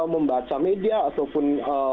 membaca media ataupun